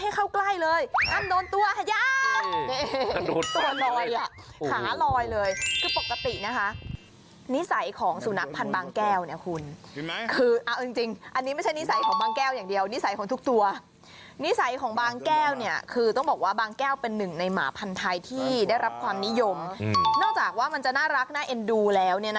กระโดดให้ขู่ทั้งเห่าไม่ให้เข้าใกล้เลย